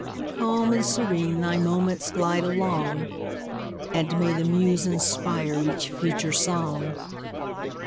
Calm and serene thy moments glide along, And may the muse inspire each future song!